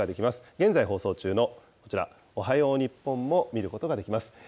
現在放送中のこちら、おはよう日本も見ることができます。